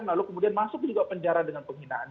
lalu kemudian masuk juga penjara dengan penghinaan